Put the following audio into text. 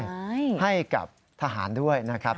ใช่ให้กับทหารด้วยนะครับ